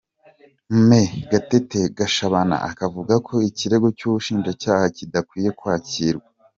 Me Gatera Gashabana akavuga ko ikirego cy’ubushinjacyaha kidakwiye kwakirwa.